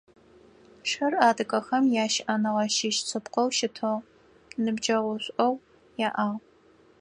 Шыр адыгэхэм ящыӏэныгъэ щыщ шъыпкъэу щытыгъ, ныбджэгъушӏоу яӏагъ.